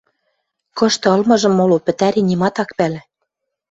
Кышты ылмыжым моло пӹтӓри нимат ак пӓлӹ.